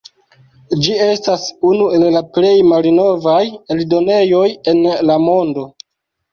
Ĝi estas unu el la plej malnovaj eldonejoj en la mondo.